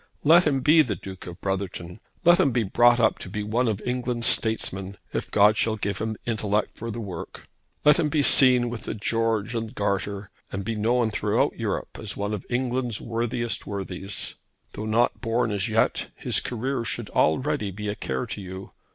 Let him be the Duke of Brotherton. Let him be brought up to be one of England's statesmen, if God shall give him intellect for the work. Let him be seen with the George and Garter, and be known throughout Europe as one of England's worthiest worthies. Though not born as yet his career should already be a care to you.